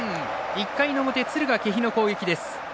１回の表、敦賀気比の攻撃です。